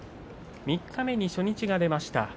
三日目に初日が出ました。